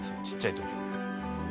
ちっちゃい時は。